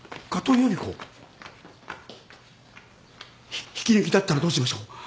ひ引き抜きだったらどうしましょう。